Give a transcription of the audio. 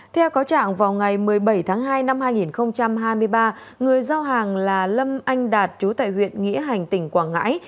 theo cáo trạng vào ngày một mươi bảy tháng hai năm hai nghìn hai mươi ba người giao hàng là lâm anh đạt chú tại huyện nghĩa hành tỉnh quảng ngãi